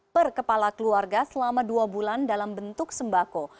per kepala keluarga selama dua bulan dalam bentuk sembako